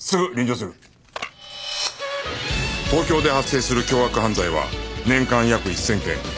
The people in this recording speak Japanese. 東京で発生する凶悪犯罪は年間約１０００件